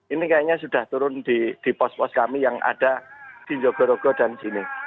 ini kayaknya sudah turun di pos pos kami yang ada di jogorogo dan sini